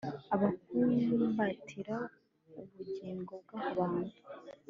akabumbatira ubugingo bw'abantu